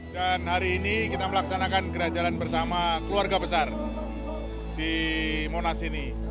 dan hari ini kita melaksanakan gerah jalan bersama keluarga besar di monas ini